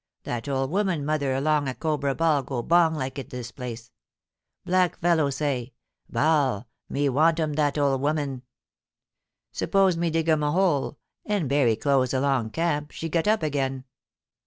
That ole woman mother along a Cobra Ball go bong like it this place. Black fellow say, Ba'al, me wantem that ole woman. Suppose me dig em hole, and bury close along a camp, she get up again.